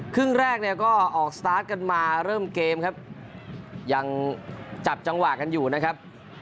ครึ่งแรกเนี่ยก็ออกสตาร์ทกันมาเริ่มเกมครับยังจับจังหวะกันอยู่นะครับ